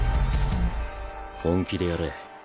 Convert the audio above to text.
本気でやれ。